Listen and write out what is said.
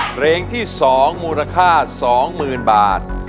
เพลงที่๒มูลค่า๒๐๐๐บาท